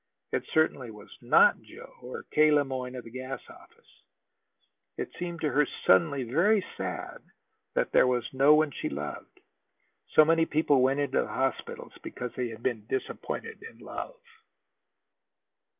It certainly was not Joe, or K. Le Moyne of the gas office. It seem to her suddenly very sad that there was no one she loved. So many people went into hospitals because they had been disappointed in love.